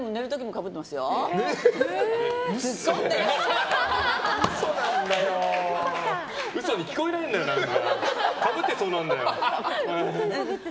かぶってそうなんだよ。